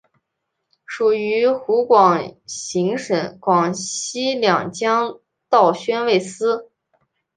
属于湖广行省广西两江道宣慰司。